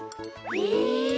へえ！